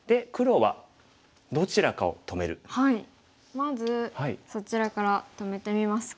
まずそちらから止めてみますか？